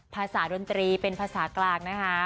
ภาษาดนตรีเป็นภาษากลางนะคะ